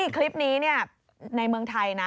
คลิปนี้ในเมืองไทยนะ